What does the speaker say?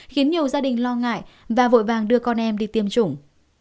khiến nhiều gia đình lo ngại và vội vàng đưa con em đi tiêm chủng